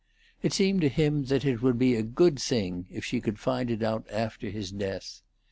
It seemed to him that it would be a good thing if she should find it out after his death.